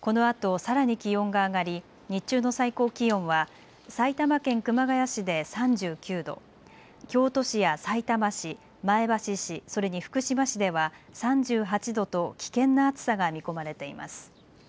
このあとさらに気温が上がり日中の最高気温は埼玉県熊谷市で３９度、京都市やさいたま市、前橋市、それに福島市では３８度と危険な暑さが見込まれています。